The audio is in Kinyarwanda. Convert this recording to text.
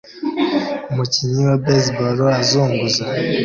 Umukinnyi wa baseball azunguza